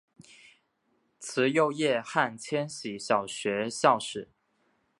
慈幼叶汉千禧小学校史